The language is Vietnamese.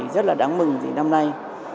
rất là đáng mừng vì năm nay